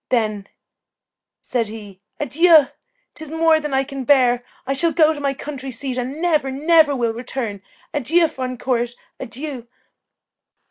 Then," said he, "adieu! 'tis more than I can bear. I shall go to my country seat, and never, never will return. Adieu, fond court, adieu!